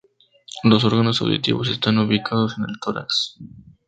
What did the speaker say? Los órganos auditivos están ubicados en el tórax.